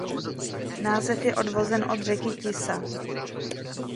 Název je odvozen od řeky Tisa.